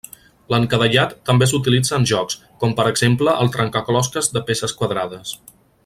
L'encadellat també s'utilitza en jocs, com per exemple el trencaclosques de peces quadrades.